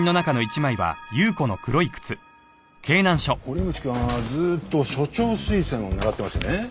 堀口くんはずっと署長推薦を狙ってましてね。